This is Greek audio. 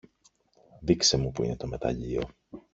Δείξε μου που είναι το μεταλλείο